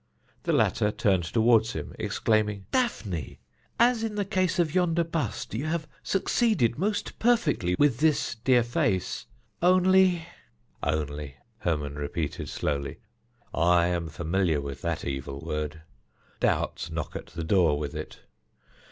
The latter turned toward him, exclaiming: "Daphne! As in the case of yonder bust, you have succeeded most perfectly with this dear face only " "Only," Hermon repeated slowly; "I am familiar with that evil word. Doubts knock at the door with it.